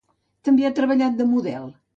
També ha treballat de model.